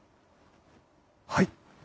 はい！